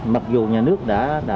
mặc dù nhà nước đã